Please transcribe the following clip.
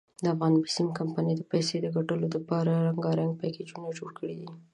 دافغان بېسیم کمپنۍ د پیسو دګټلو ډپاره رنګارنګ پېکېجونه جوړ کړي دي.